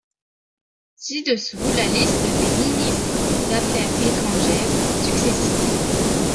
Ci-dessous la liste des ministres des affaires étrangères successifs.